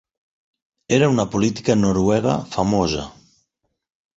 Era una política noruega famosa.